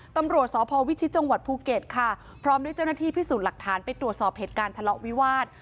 ตำรวจสพวิชิตจังหวัดภูเก็ตค่ะพร้อมด้วยเจ้าหน้าที่พิสูจน์หลักฐานไปตรวจสอบเหตุการณ์ทะเลาะวิวาส